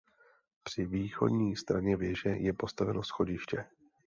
Při východní straně věže je postaveno schodiště.